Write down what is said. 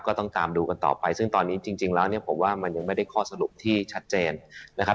ก็ต้องตามดูกันต่อไปซึ่งตอนนี้จริงแล้วเนี่ยผมว่ามันยังไม่ได้ข้อสรุปที่ชัดเจนนะครับ